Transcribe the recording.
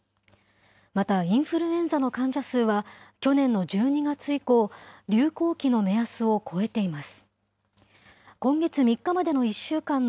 また、インフルエンザの患者数は去年の１２月以降、流行期の目安を超えています。